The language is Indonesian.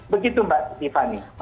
begitu mbak tiffany